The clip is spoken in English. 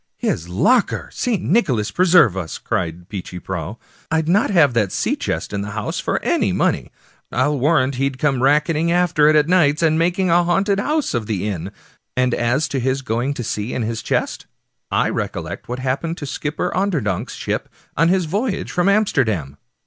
" His locker ! St. Nicholas preserve us !" cried Peechy Prauw. " I'd not have had that sea chest in the house for any money; I'll warrant he'd come racketing after it at nights, and making a haunted house of the inn. And as to his going to sea in his chest, I recollect what happened to Skipper Onderdonk's ship on his voyage from Amster dam.